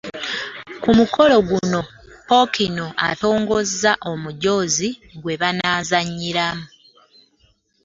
Ku mukolo guno Ppookino atongozza omujoozi gwe banaazannyiramu